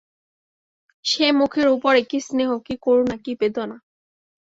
সে মুখের উপরে কী স্নেহ, কী করুণা, কী বেদনা!